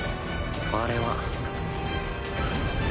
あれは。